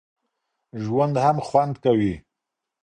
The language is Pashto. ژوند هم خوند کوي.